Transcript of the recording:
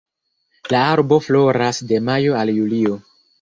La arbo floras de majo al julio.